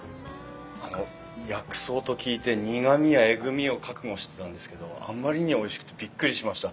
あの薬草と聞いて苦みやえぐみを覚悟してたんですけどあまりにおいしくてビックリしました。